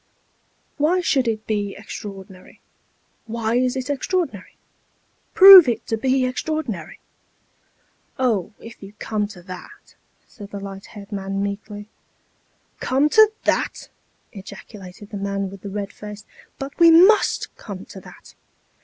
"Why should it be extraordinary? why is it extraordinary? prove it to be extraordinary !"" Oh, if you come to that " said the light haired man, meekly. " Come to that !" ejaculated the man with the red face ;" but we must come to that.